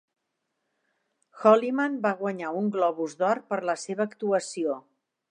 Holliman va guanyar un Globus d'Or per la seva actuació.